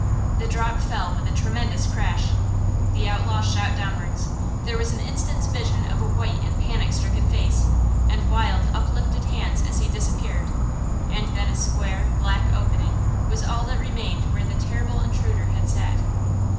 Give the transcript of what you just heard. The drop fell with a tremendous crash! The outlaw shot downwards–there was an instant's vision of a white and panic stricken face, and wild, uplifted hands as he disappeared, and then a square, black opening, was all that remained where the terrible intruder had sat.